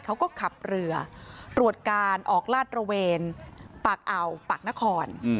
เขาก็ขับเรือตรวจการออกลาดระเวนปากอ่าวปากนคร